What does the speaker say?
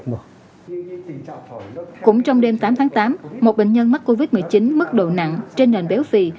cũng trong đêm tám tháng tám một bệnh nhân mắc covid một mươi chín mức độ nặng trên nền béo phì